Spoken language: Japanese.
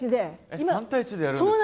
えっ３対１でやるんですか？